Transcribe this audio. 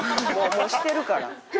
もうしてるから。